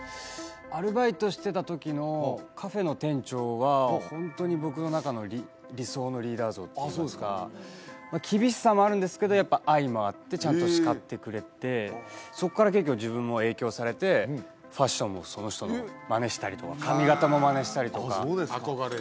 アルバイトしてた時のカフェの店長はホントに僕の中の理想のリーダー像っていいますか厳しさもあるんですけどやっぱ愛もあってちゃんと叱ってくれてそっから結構自分も影響されてファッションもその人のマネしたりとか髪形もマネしたりとか憧れ？